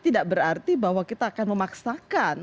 tidak berarti bahwa kita akan memaksakan